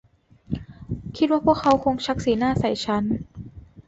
คิดว่าพวกเขาคงชักสีหน้าใส่ฉัน